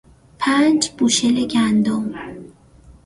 پنج بوشل گندم